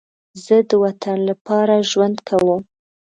زه د وطن لپاره ژوند کوم